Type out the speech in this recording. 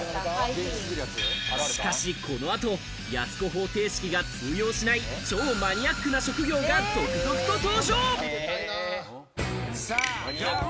しかしこの後、やす子方程式が通用しない超マニアックな職業が続々と登場。